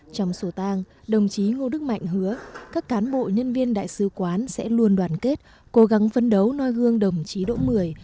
trong sổ tang đồng chí ngô đức mạnh hứa các cán bộ nhân viên đại sứ quán sẽ luôn đoàn kết cố gắng phấn đấu noi gương đồng chí đỗ mười